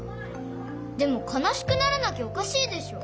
でもかなしくならなきゃおかしいでしょ。